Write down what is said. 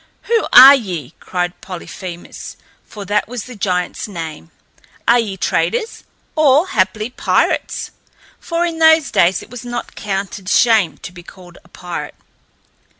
"Who are ye?" cried Polyphemus, for that was the giant's name. "Are ye traders or, haply, pirates?" For in those days it was not counted shame to be called a pirate.